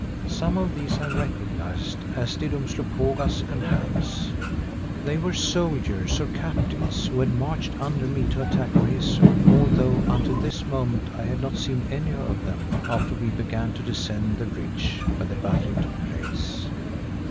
Some of these I recognised, as did Umslopogaas and Hans. They were soldiers or captains who had marched under me to attack Rezu, although until this moment I had not seen any of them after we began to descend the ridge where the battle took place.